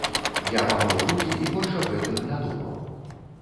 Я памыў рукі і больш аб гэтым не думаў.